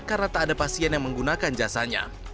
karena tak ada pasien yang menggunakan jasanya